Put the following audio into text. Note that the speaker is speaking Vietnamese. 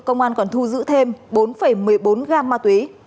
công an còn thu giữ thêm bốn một mươi bốn gam ma túy